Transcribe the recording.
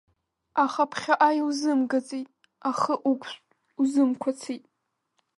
Аха ԥхьаҟа иузымгаӡеит, ахы уқәшәт, узымқәацеит.